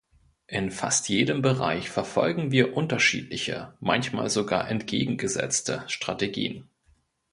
In fast jedem Bereich verfolgen wir unterschiedliche, manchmal sogar entgegengesetzte Strategien.